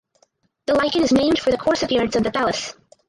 The lichen is named for the coarse appearance of the thallus.